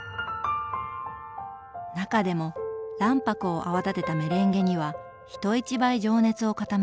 中でも卵白を泡立てたメレンゲには人一倍情熱を傾けました。